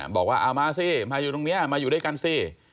บอกว่าเอามาสิมาอยู่ตรงนี้มาอยู่ด้วยกันสิ